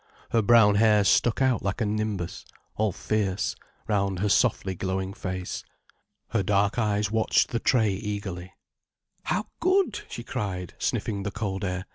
Her brown hair stuck out like a nimbus, all fierce, round her softly glowing face. Her dark eyes watched the tray eagerly. "How good!" she cried, sniffing the cold air.